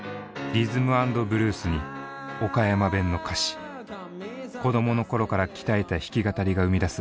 リズム＆ブルースに岡山弁の歌詞子供の頃から鍛えた弾き語りが生み出す